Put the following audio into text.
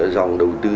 dòng đầu tư